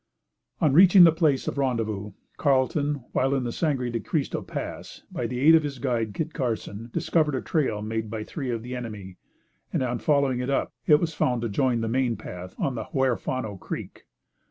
On reaching the place of rendezvous, Carlton, while in the Sangre de Christo Pass, by the aid of his guide Kit Carson, discovered a trail made by three of the enemy, and on following it up, it was found to join the main path on the Huerfano Creek.